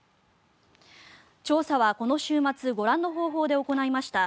調査はこの週末ご覧の方法で行いました。